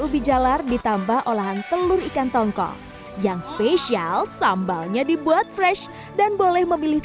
ubi jalar ditambah olahan telur ikan tongkol yang spesial sambalnya dibuat fresh dan boleh memilih